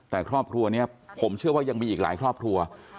แต่ครอบครัวนี้ผมเชื่อว่ายังมีอีกหลายครอบครัว